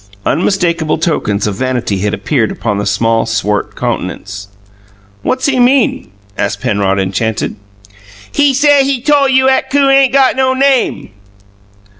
Unmistakable tokens of vanity had appeared upon the small, swart countenance. "What's he mean?" asked Penrod, enchanted. "He say he tole you 'at 'coon ain' got no name."